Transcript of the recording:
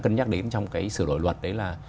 cân nhắc đến trong cái sửa đổi luật đấy là